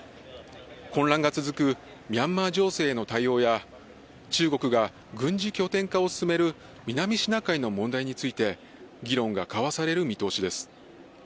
混乱が続くミャンマー情勢への対応や、中国が軍事拠点化を進める南シナ海の問題について、議論が交わされる見通しです。